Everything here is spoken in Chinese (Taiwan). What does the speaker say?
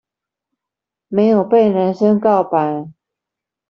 沒有被男生告白